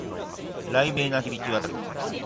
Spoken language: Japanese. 雷鳴が響き渡る